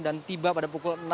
dan tiba pada pukul enam